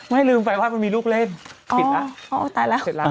ไม่ลืมไฟว่าว่ามีลูกเล่นอ๋อตายแล้ว